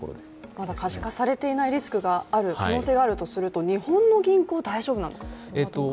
まだ可視化されていないリスクがある可能性があるとすると日本の銀行、大丈夫でしょうか。